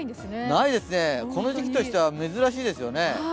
ないですね、この時期としては珍しいですよね。